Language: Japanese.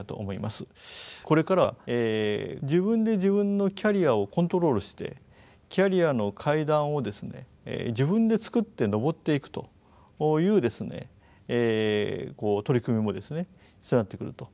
これからは自分で自分のキャリアをコントロールしてキャリアの階段を自分で作って上っていくという取り組みも必要になってくると。